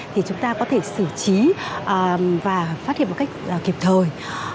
thì chúng ta có thể xử trí và phát hiện một cách kịp thời